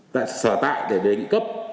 tại sở tại để đề nghị cấp